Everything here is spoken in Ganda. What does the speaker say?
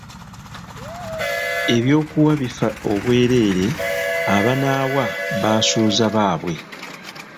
Eby'okuwa bifa obwereere, Abanaawa baasuuza Bbaabwe!